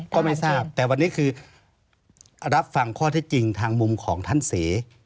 ก็ไม่ทราบแต่วันนี้คือรับฟังข้อเท็จจริงทางมุมของท่านเส